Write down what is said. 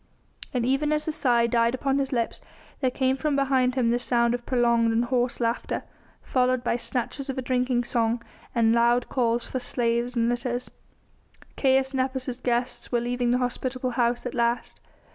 And even as the sigh died upon his lips there came from behind him the sound of prolonged and hoarse laughter, followed by snatches of a drinking song and loud calls for slaves and litters. Caius Nepos' guests were leaving the hospitable house at last.